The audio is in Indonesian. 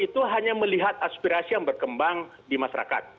itu hanya melihat aspirasi yang berkembang di masyarakat